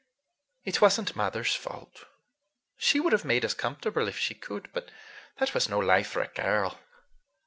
"It was n't mother's fault. She would have made us comfortable if she could. But that was no life for a girl!